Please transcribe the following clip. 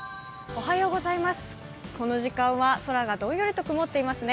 この時間は空がどんよりと曇っていますね。